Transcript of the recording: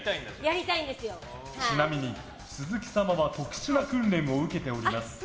ちなみに、鈴木様は特殊な訓練を受けております。